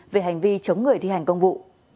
về hành vi chống người thi hành công vụ